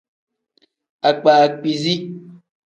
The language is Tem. Akpa akpiizi.